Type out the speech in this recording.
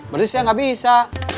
berarti saya gak bisa